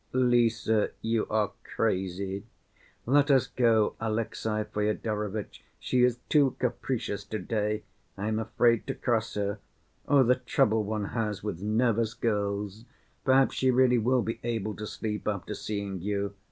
"Lise, you are crazy. Let us go, Alexey Fyodorovitch, she is too capricious to‐day. I am afraid to cross her. Oh, the trouble one has with nervous girls! Perhaps she really will be able to sleep after seeing you.